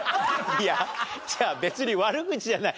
いや別に悪口じゃない。